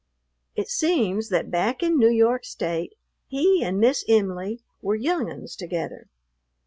It seems that back in New York State he and Miss Em'ly were "young uns" together.